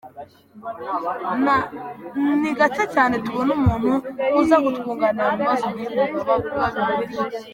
Ni gake cyane tubona umuntu uza kutwunganira mu bibazo nk'ibi biba bibabaje.